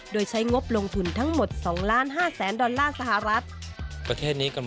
โดยใช้งบลงทุนทั้งหมด๒๕๐๐๐ดอลลาร์สหรัฐ